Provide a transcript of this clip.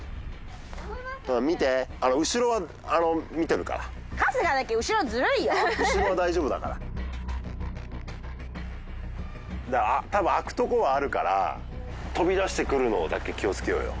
見て後ろは大丈夫だから多分開くとこはあるから飛び出してくるのだけ気をつけようよ